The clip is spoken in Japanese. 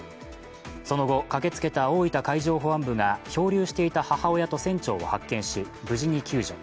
その後、駆けつけた大分海上保安部が漂流していた母親と船長を発見し、無事に救助。